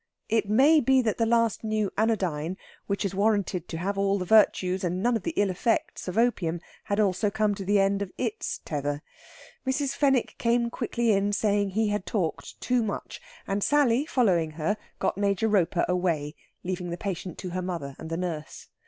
It may be that the last new anodyne, which is warranted to have all the virtues and none of the ill effects of opium, had also come to the end of its tether. Mrs. Fenwick came quickly in, saying he had talked too much; and Sally, following her, got Major Roper away, leaving the patient to her mother and the nurse.